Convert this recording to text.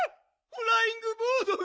フライングボードが！